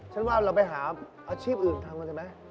ฉันว่าเราไปหาอาชีพอื่นทำได้ไหม